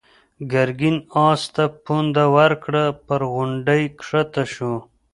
ګرګين آس ته پونده ورکړه، پر غونډۍ کښته شو.